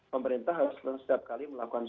pemerintah harus setiap kali melakukan